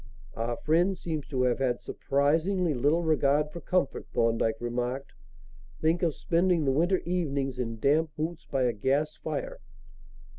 "Our friend seems to have had surprisingly little regard for comfort," Thorndyke remarked. "Think of spending the winter evenings in damp boots by a gas fire!"